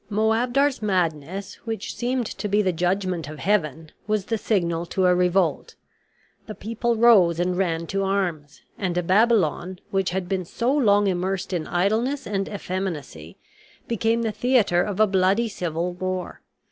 "Moabdar's madness, which seemed to be the judgment of Heaven, was the signal to a revolt. The people rose and ran to arms; and Babylon, which had been so long immersed in idleness and effeminacy, became the theater of a bloody civil war.